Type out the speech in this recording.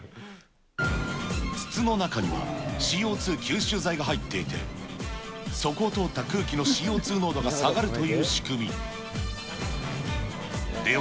筒の中には、ＣＯ２吸収剤が入っていて、そこを通った空気のＣＯ２濃度が下がるという仕組み。